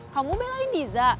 kamu belain diza